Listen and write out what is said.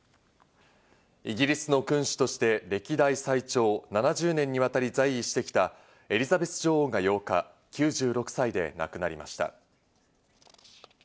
イギリスの君主として歴代最長７０年にわたり在位してきたエリザベス女王が８日、９６歳で亡くなりました。